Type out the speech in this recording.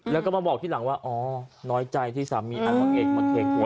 แล้วเขาก็มาบอกที่หลังว่าโอ้น้อยใจที่สามีเอามังเอกมาเค็งหัว